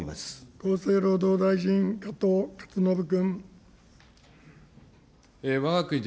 厚生労働大臣、加藤勝信君。